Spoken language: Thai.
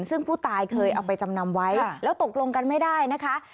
ซึ่งผู้ตายเคยเอาไปจำนำไว้แล้วตกลงกันไม่ได้นะคะ